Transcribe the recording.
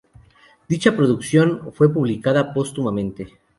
Dicha producción que fue publicada póstumamente.